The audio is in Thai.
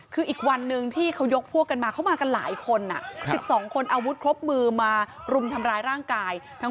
คืออีกวันหนึ่งที่เขายกพวกกันมาเขามากันหลายคน๑๒คนอาวุธครบมือมารุมทำร้ายร่างกาย